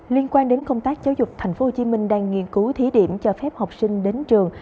liên quan đến công tác giáo dục tp hcm đang nghiên cứu thí điểm cho phép học sinh đến trường